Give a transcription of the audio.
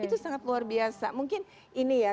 itu sangat luar biasa mungkin ini ya